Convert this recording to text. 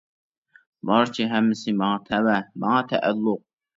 بارچە ھەممىسى ماڭا تەۋە، ماڭا تەئەللۇق!